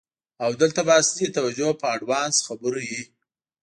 او دلته به اصلی توجه په آډوانس خبرو وی.